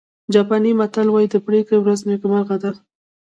جاپاني متل وایي د پرېکړې ورځ نیکمرغه ده.